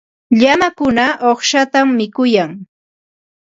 Llamakuna uqshatam mikuyan.